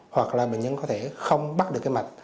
hoặc là bệnh nhân có thể không bắt được cái mạch